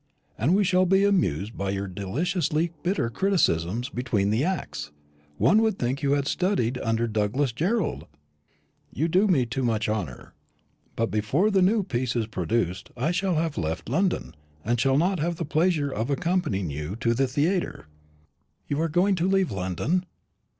And we shall be amused by your deliciously bitter criticisms between the acts. One would think you had studied under Douglas Jerrold." "You do me too much honour. But before the new piece is produced I shall have left London, and shall not have the pleasure of accompanying you to the theatre." "You are going to leave London?"